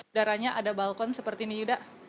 jadi ventilasi udaranya ada balkon seperti ini yuda